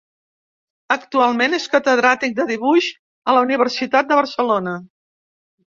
Actualment és catedràtic de dibuix a la Universitat de Barcelona.